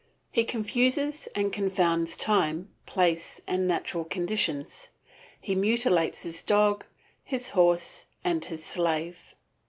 He confuses and confounds time, place, and natural conditions. He mutilates his dog, his horse, and his slave.